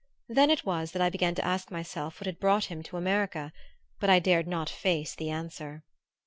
Then it was that I began to ask myself what had brought him to America; but I dared not face the answer.